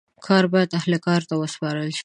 کار باید اهل کار ته وسپارل سي.